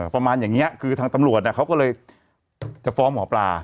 ประมาณอย่างนี้คือทางตำรวจเขาก็เลยจะฟ้องหมอปลา